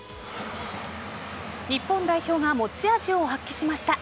日本代表が持ち味を発揮しました。